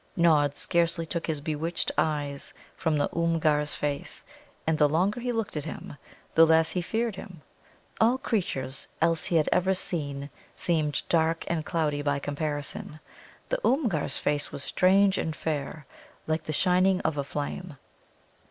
Nod scarcely took his bewitched eyes from the Oomgar's face, and the longer he looked at him, the less he feared him. All creatures else he had ever seen seemed dark and cloudy by comparison. The Oomgar's face was strange and fair, like the shining of a flame.